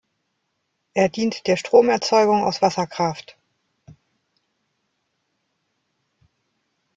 Er dient der Stromerzeugung aus Wasserkraft.